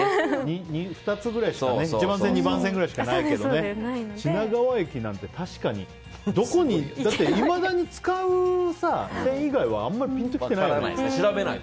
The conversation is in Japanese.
２つくらいしかね１番線、２番線ぐらいしかないけど、品川駅なんていまだに使う線以外はあんまりピンときてないもん。